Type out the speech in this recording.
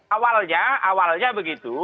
awalnya awalnya begitu